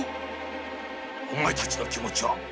お前たちの気持ちは分かる。